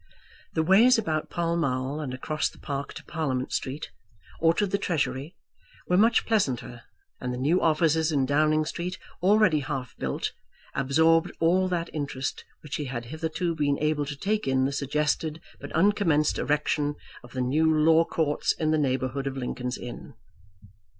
The ways about Pall Mall and across the Park to Parliament Street, or to the Treasury, were much pleasanter, and the new offices in Downing Street, already half built, absorbed all that interest which he had hitherto been able to take in the suggested but uncommenced erection of new Law Courts in the neighbourhood of Lincoln's Inn.